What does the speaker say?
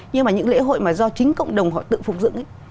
nhưng mà những lễ hội mà do chính cộng đồng họ tự phục dựng ấy